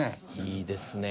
いいですね。